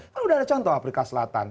kan udah ada contoh afrika selatan